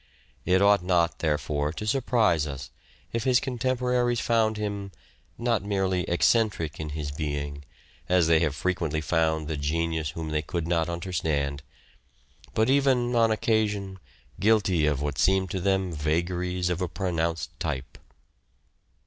It ought not, therefore, to surprise us if his contemporaries found him, not merely eccentric in his bearing, as they have frequently found the genius whom they could not understand, but even on occasion, guilty of what seemed to them vagaries of a pronounced type.